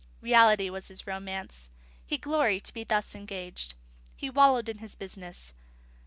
Reality was his romance; he gloried to be thus engaged; he wallowed in his business.